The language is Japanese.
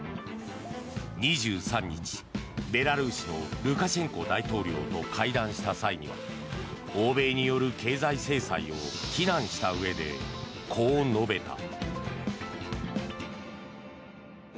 ２３日、ベラルーシのルカシェンコ大統領と会談した際には欧米による経済制裁を非難したうえで、こう述べた。